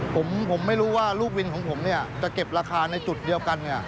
ผมไม่รู้ว่าลูกวินของผมเนี่ยจะเก็บราคาในจุดเดียวกันเนี่ย